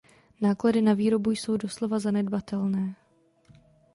Náklady na výrobu jsou doslova zanedbatelné.